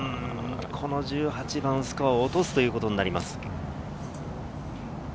１８番、スコアを落とすということになります。